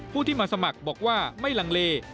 ผู้ที่มาสมัครบอกว่าไม่ลังเล